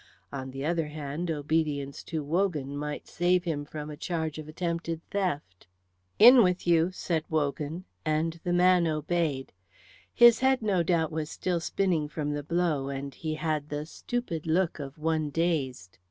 On the other hand, obedience to Wogan might save him from a charge of attempted theft. "In with you," said Wogan, and the man obeyed. His head no doubt was still spinning from the blow, and he had the stupid look of one dazed.